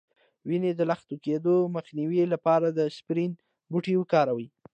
د وینې د لخته کیدو مخنیوي لپاره اسپرین بوټی وکاروئ